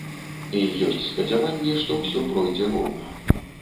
І ёсць спадзяванні, што ўсё пройдзе роўна.